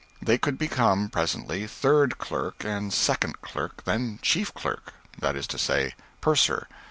They could become, presently, third clerk and second clerk, then chief clerk that is to say, purser.